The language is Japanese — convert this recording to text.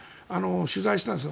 取材したんですよ